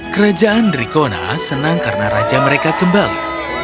kerajaan drikona senang karena raja mereka kembali